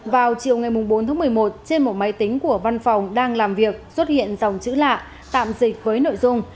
vào chiều ngày bốn tháng một mươi một trên một máy tính của văn phòng đang làm việc xuất hiện dòng chữ lạ tạm dịch với nội dung